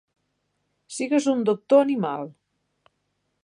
Sigues un doctor-animal.